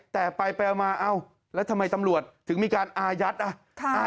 แต่ไปไปมาเอ้าแล้วทำไมตำรวจถึงมีการอายัดอ่ะ